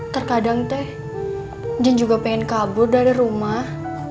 terkadang tek jan juga pengen kabur dari rumah